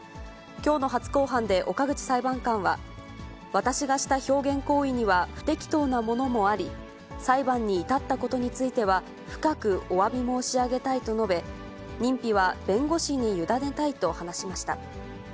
きょうの初公判で岡口裁判官は、私がした表現行為には不適当なものもあり、裁判に至ったことについては、深くおわび申し上げたいと述べ、認否は弁護士に委ねたいと話しました。